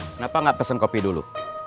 kenapa nggak pesen kopi dulu